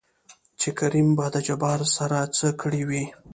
چې کريم به د جبار سره څه کړې وي؟